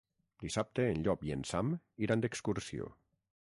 Dissabte en Llop i en Sam iran d'excursió.